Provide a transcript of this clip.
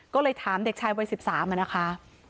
ก็เลยถามเด็กชายวัย๑๓นะคะ